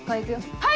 はい！